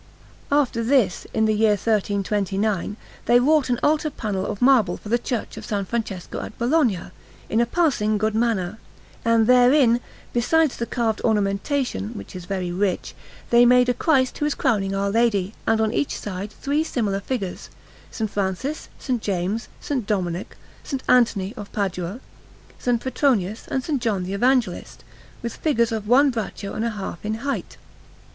After this, in the year 1329, they wrought an altar panel of marble for the Church of S. Francesco at Bologna, in a passing good manner; and therein, besides the carved ornamentation, which is very rich, they made a Christ who is crowning Our Lady, and on each side three similar figures S. Francis, S. James, S. Dominic, S. Anthony of Padua, S. Petronius, and S. John the Evangelist, with figures one braccio and a half in height.